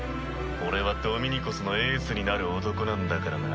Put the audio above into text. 俺はドミニコスのエースになる男なんだからな。